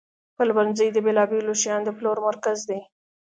پلورنځی د بیلابیلو شیانو د پلور مرکز دی.